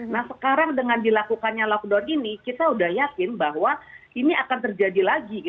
nah sekarang dengan dilakukannya lockdown ini kita sudah yakin bahwa ini akan terjadi lagi